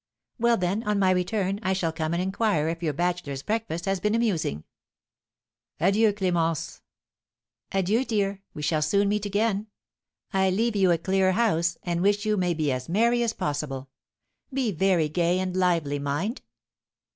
"Well, then, on my return, I shall come and inquire if your bachelors' breakfast has been amusing." "Adieu, Clémence!" "Adieu, dear! We shall soon meet again. I leave you a clear house, and wish you may be as merry as possible. Be very gay and lively, mind."